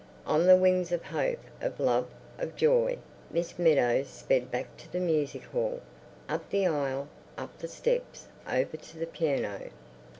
On the wings of hope, of love, of joy, Miss Meadows sped back to the music hall, up the aisle, up the steps, over to the piano.